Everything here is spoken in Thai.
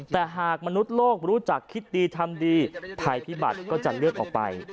แต่หากมนุษย์โลกรู้จักคิดดีทำดีภัยพิบัติก็จะเลือกออกไป